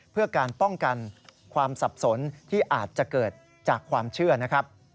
เพื่อการป้องกันความสับสนที่อาจจะเกิดจากความเชื่อนะครับ